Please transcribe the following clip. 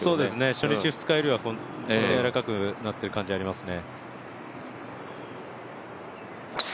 初日、２日よりは本当にやわらかくなってる感じがありますね。